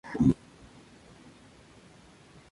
Nació en Edimburgo, hijo de padres emigrantes irlandeses.